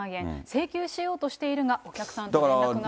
請求しようとしているが、お客さんと連絡が取れないと。